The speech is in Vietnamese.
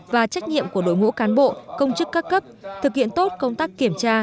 và trách nhiệm của đội ngũ cán bộ công chức các cấp thực hiện tốt công tác kiểm tra